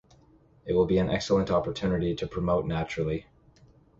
It will be an excellent opportunity to promote naturally.